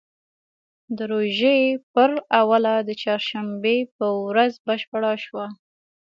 د روژې پر اوله د چهارشنبې په ورځ بشپړه شوه.